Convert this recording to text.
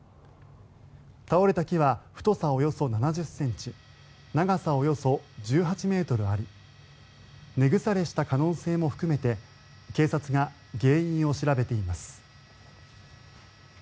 倒れた木は太さおよそ７０ｃｍ長さおよそ１８ｍあり根腐れした可能性も含めて警察が原因を調べています。